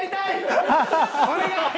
お願い！